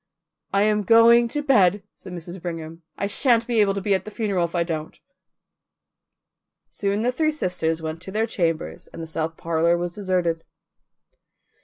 "I am going to bed," said Mrs. Brigham. "I sha'n't be able to be at the funeral if I don't." Soon the three sisters went to their chambers and the south parlour was deserted.